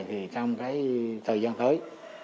thì trong thời gian tới